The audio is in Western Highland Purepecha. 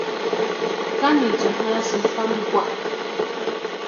¿Kánichani jarhasïnki pámpikwa?